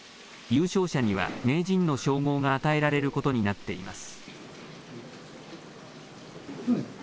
優勝者には名人の称号が与えられることになっています。